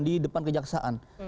di depan kejaksaan